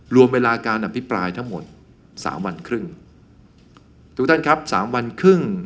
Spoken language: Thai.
รวมเวลาการอภิปรายทั้งหมด๓วันครึ่ง